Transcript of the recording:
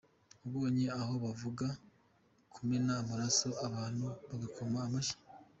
Wabonye aho bavuga kumena amaraso abantu bagakoma amashyi.